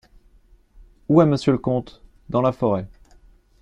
Où est Monsieur le comte ? Dans la forêt.